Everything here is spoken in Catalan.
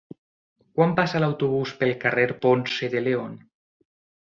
Quan passa l'autobús pel carrer Ponce de León?